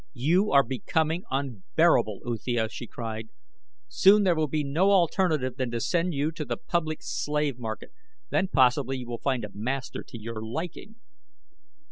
"You are becoming unbearable, Uthia," she cried. "Soon there will be no alternative than to send you to the public slave market. Then possibly you will find a master to your liking."